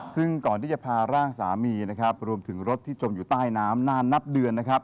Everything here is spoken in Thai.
ซึ่งก่อนที่จะพาร่างสามีรวมถึงรถที่จมใต้น้ำนานนับเดือน